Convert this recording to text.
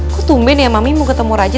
kok tumben ya mami mau ketemu raja